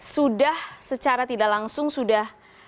sudah secara tidak langsung sudah